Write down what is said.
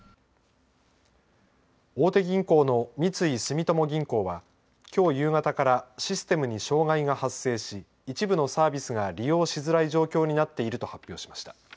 大手銀行の三井住友銀行はきょう夕方からシステムに障害が発生し一部のサービスが利用しづらい状況になっていると発表しました。